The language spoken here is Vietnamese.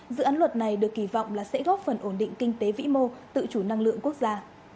dự án luật này được kỳ vọng là sẽ góp phần ổn định kinh tế vĩ mô tự chủ năng lượng quốc gia